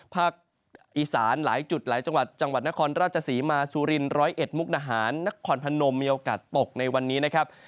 ภาคอีสานหลายจุดหลายจังหวัดจังหวัดนครราชศรีมาสุรินร้อยเอ็ดมุกนาหารนครพนมมีโอกาสตกในวันนี้นะครับ